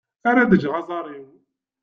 Ara d-ğğeɣ d aẓar-iw.